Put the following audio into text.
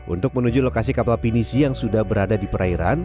untuk menuju lokasi kapal pinisi yang sudah berada di perairan